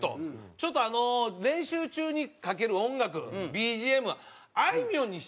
「ちょっと練習中にかける音楽ＢＧＭをあいみょんにして」と。